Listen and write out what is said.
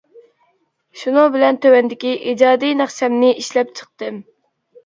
شۇنىڭ بىلەن تۆۋەندىكى ئىجادىي ناخشامنى ئىشلەپ چىقتىم.